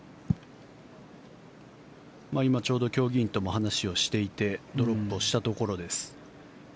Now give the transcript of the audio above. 今ちょうど競技委員とも話をしていてドロップをしたところです。